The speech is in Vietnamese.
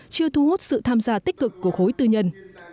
chưa thu hút sự tham gia tích cực của khối tư nhân